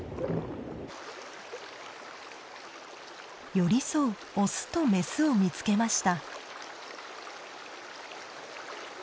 寄り添うオスとメスを見つけました。